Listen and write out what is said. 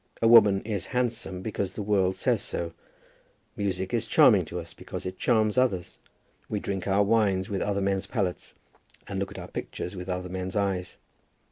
A woman is handsome because the world says so. Music is charming to us because it charms others. We drink our wines with other men's palates, and look at our pictures with other men's eyes.